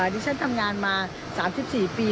ที่ฉันทำงานมา๓๔ปี